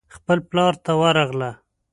خپل پلار ته ورغله.